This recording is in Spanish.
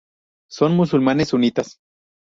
Son musulmanes sunitas.